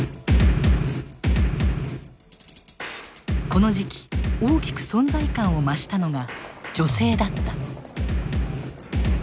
この時期大きく存在感を増したのが女性だった。